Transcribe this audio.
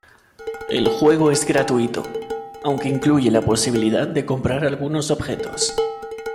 El juego es gratuito, aunque incluye la posibilidad de comprar algunos objetos.